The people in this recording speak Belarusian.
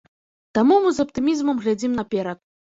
Таму мы з аптымізмам глядзім наперад.